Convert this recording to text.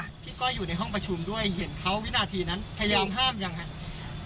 พี่ก้อยอยู่ในห้องประชุมด้วยเห็นเขาวินาทีนั้นพยายามห้ามยังครับ